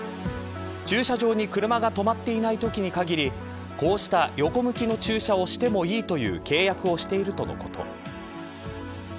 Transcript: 駐車場に車が止まっていないときに限りこうした横向きの駐車をしてもいいという契約をしているとのこと。